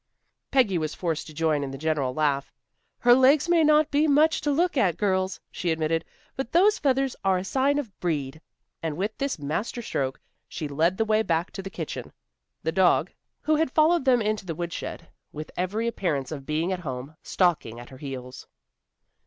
Peggy was forced to join in the general laugh. "Her legs may not be much to look at, girls," she admitted, "but those feathers are a sign of Breed." And with this master stroke she led the way back to the kitchen, the dog, who had followed them into the woodshed, with every appearance of being at home, stalking at her heels.